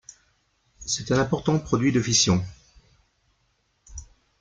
C'est un important produit de fission.